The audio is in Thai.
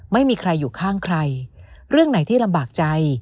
ไม่มีใครอยู่ข้างใครเรื่องไหนที่ลำบากใจ